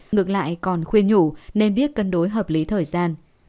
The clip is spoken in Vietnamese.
ngược lại còn khuyên nhủ nên biết cân đối hợp lý thời gian